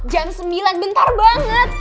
jam sembilan bentar banget